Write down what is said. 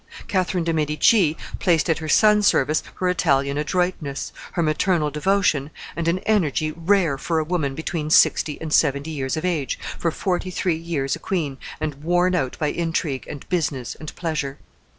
Catherine de' Medici placed at her son's service her Italian adroitness, her maternal devotion, and an energy rare for a woman between sixty and seventy years of age, for forty three years a queen, and worn out by intrigue, and business, and pleasure.